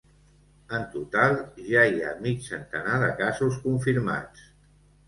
En total ja hi ha mig centenar de casos confirmats.